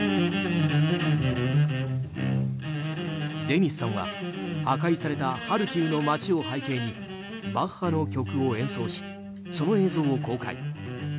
デニスさんは破壊されたハルキウの街を背景にバッハの曲を演奏しその映像を公開。